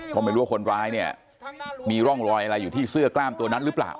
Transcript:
ก็ไม่รู้ว่าคนร้ายเนี่ยมีร่องรอยอะไรอยู่ที่เสื้อกล้ามตัวนั้นหรือเปล่า